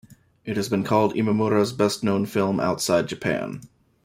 It has been called Imamura's best-known film outside Japan.